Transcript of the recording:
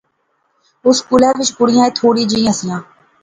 اس سکولے وچ کُڑیاں ایہہ تھوڑیاں جئیاں سیاں